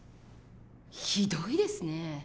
ひどいですね。